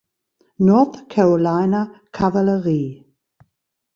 North Carolina Kavallerie.